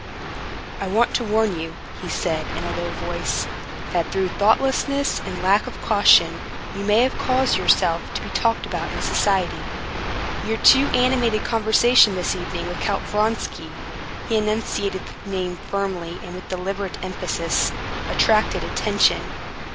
"I want to warn you," he said in a low voice, "that through thoughtlessness and lack of caution you may cause yourself to be talked about in society. Your too animated conversation this evening with Count Vronsky" (he enunciated the name firmly and with deliberate emphasis) "attracted attention."